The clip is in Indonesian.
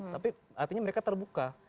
tapi artinya mereka terbuka